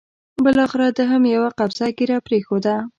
بالاخره ده هم یوه قبضه ږیره پرېښوده.